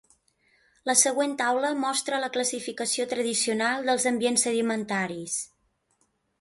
La següent taula mostra la classificació tradicional dels ambients sedimentaris.